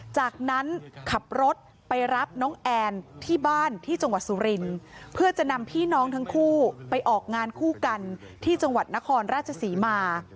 จากนั้นขับรถไปรับน้องแอนที่บ้านที่จังหวัดสุรินทร์เพื่อจะนำพี่น้องทั้งคู่ไปออกงานคู่กันที่จังหวัดนครราชศรีมา